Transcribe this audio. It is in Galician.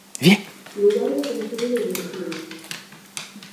Lugar do Concello de Guntín